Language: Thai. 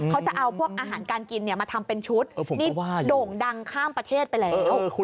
เขาจะเอาพวกอาหารการกินมาทำเป็นชุดนี่โด่งดังข้ามประเทศไปแล้ว